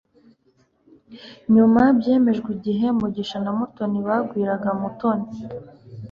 nyuma byemejwe igihe mugisha na mutoni babwiraga mutoni